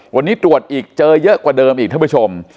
วันนี้ตรวจอีกเจอเยอะกว่าเดิมอีกท่านผู้ชม